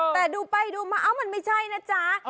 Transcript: แต่ดูไปดูมาเอ้ามันไม่ใช่นะจ๊ะ